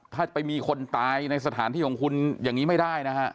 ถ้าจะไปมีคนตายในสถานที่ของคุณอย่างนี้ไม่ได้นะฮะ